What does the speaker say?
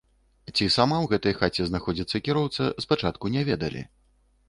Ці сама ў гэтай хаце знаходзіцца кіроўца, спачатку не ведалі.